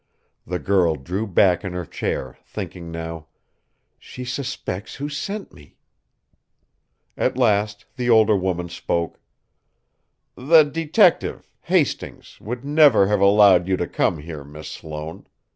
The girl drew back in her chair, thinking now: "She suspects who sent me!" At last, the older woman spoke: "The detective, Hastings, would never have allowed you to come here, Miss Sloane.